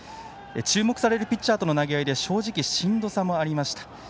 注目されるピッチャーとの投げ合いで正直、しんどさもありました。